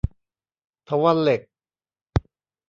เถาวัลย์เหล็ก